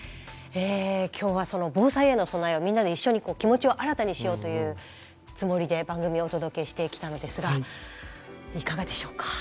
今日はその防災への備えをみんなで一緒に気持ちを新たにしようというつもりで番組をお届けしてきたのですがいかがでしょうか。